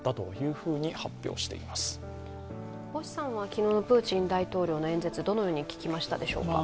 昨日のプーチン大統領の演説、どのように聞きましたでしょうか？